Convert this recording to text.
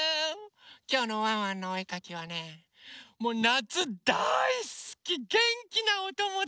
きょうのワンワンのおえかきはねもうなつだいすきげんきなおともだちですよ。